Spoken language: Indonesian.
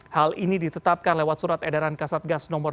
hal ini ditetapkan lewat surat edaran kasatgas no dua tahun dua ribu dua puluh dua